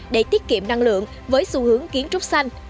để tiết kiệm năng lượng với xu hướng kiến trúc xanh